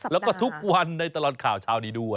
แล้วก็ทุกวันในตลอดข่าวเช้านี้ด้วย